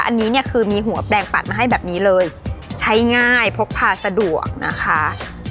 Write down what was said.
อันนี้เนี่ยคือมีหัวแปลงปัดมาให้แบบนี้เลยใช้ง่ายพกพาสะดวกนะคะ